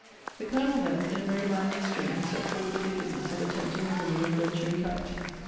The Colonel then, in a very manly strain, set forth the wickedness of attempting a woman of virtue and character.